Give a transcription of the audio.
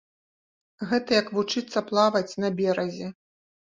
Гэта як вучыцца плаваць на беразе.